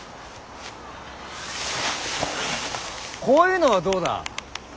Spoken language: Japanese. こういうのはどうだ。